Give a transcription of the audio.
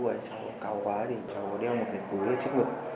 lúc ấy cháu có cao quá thì cháu có đeo một cái túi lên chiếc ngực